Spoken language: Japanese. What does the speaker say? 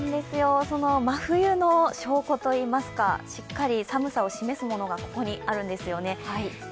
その真冬の証拠といいますかしっかり寒さを示すものがここにあるんですよね。